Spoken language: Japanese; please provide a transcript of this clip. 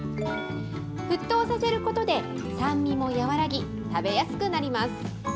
沸騰させることで、酸味も和らぎ、食べやすくなります。